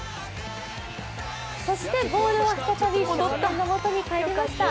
そしてボールは再び少年のもとに返りました。